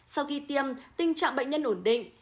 sau khi tiêm tình trạng bệnh nhân ổn định